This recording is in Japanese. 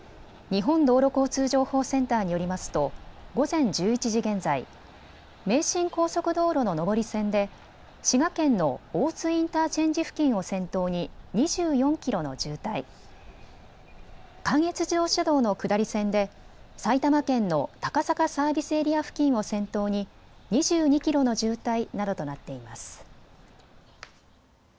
日本道路交通情報センターによりますと午前１１時現在、名神高速道路の上り線で滋賀県の大津インターチェンジ付近を先頭に２４キロの渋滞、関越自動車道の下り線で埼玉県の高坂サービスエリア付近を先頭に２２キロの渋滞などとなっています。